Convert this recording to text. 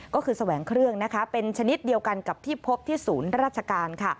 ก็คือแสวงเครื่องเป็นชนิดเดียวกันกับที่พบที่ศูนย์ราชการ